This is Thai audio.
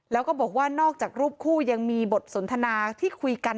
แล้วก็บอกว่านอกจากรูปคู่ยังมีบทสนทนาที่คุยกัน